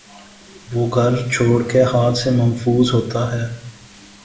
وہ گھر چورکے ہاتھ سے ممحفوظ ہوتا ہے